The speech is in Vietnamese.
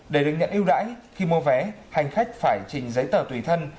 để được nhận ưu đãi khi mua vé hành khách phải trình giấy tờ tùy thân